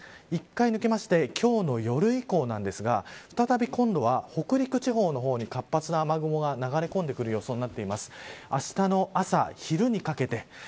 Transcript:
１回抜けまして今日の夜以降ですが再び今度は北陸地方の方に活発な雨雲が流れ込んでくる予想です。